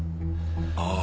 ああ。